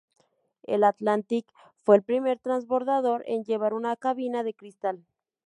El "Atlantis" fue el primer transbordador en llevar una cabina de cristal.